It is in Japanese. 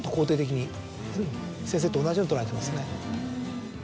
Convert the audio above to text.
先生と同じように捉えてますね。